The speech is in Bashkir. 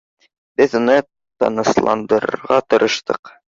— Беҙ уны тынысландырырға тырыштыҡ.